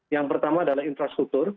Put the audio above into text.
yang pertama adalah infrastruktur